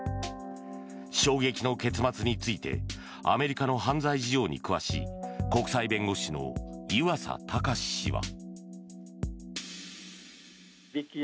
衝撃の結末についてアメリカの犯罪事情に詳しい国際弁護士の湯浅卓氏は。